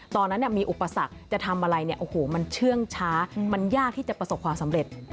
ตอนนั้นมีอุปสรรคจะทำอะไรเนี่ยโอ้โหมันเชื่องช้ามันยากที่จะประสบความสำเร็จ